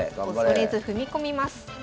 恐れず踏み込みます。